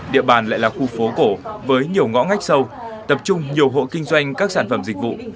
địa bàn lại là khu phố cổ với nhiều ngõ ngách sâu tập trung nhiều hộ kinh doanh các sản phẩm dịch vụ